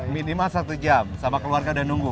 minimal satu jam sama keluarga udah nunggu